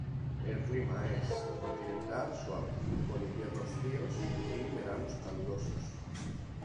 El clima es continental suave, con inviernos fríos y veranos calurosos.